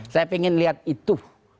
saya pengen lihat itu